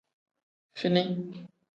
Fini.